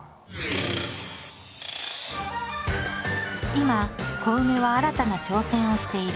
今コウメは新たな挑戦をしている。